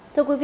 thưa quý vị